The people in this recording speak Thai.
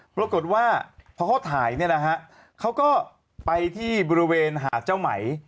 ปรากฏว่าพอเขาถ่ายเขาก็ไปที่บริเวณหาดเจ้าไหม